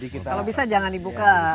kalau bisa jangan dibuka